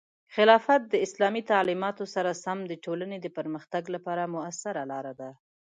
خلافت د اسلامي تعلیماتو سره سم د ټولنې د پرمختګ لپاره مؤثره لاره ده.